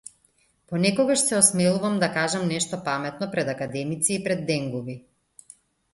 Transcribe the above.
Понекогаш се осмелувам да кажам нешто паметно пред академици и пред денгуби.